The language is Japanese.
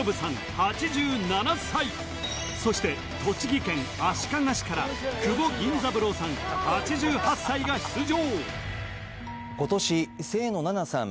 ８７歳そして栃木県足利市から窪銀三郎さん８８歳が出場